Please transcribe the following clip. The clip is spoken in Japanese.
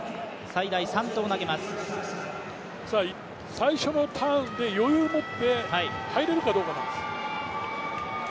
最初のターンで余裕を持って入れるかどうかなんです。